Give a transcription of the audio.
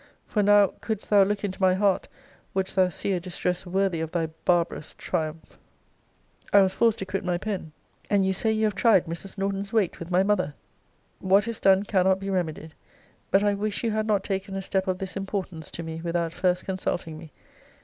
For now, couldst thou look into my heart, wouldst thou see a distress worthy of thy barbarous triumph! I was forced to quit my pen. And you say you have tried Mrs. Norton's weight with my mother? What is done cannot be remedied: but I wish you had not taken a step of this importance to me without first consulting me.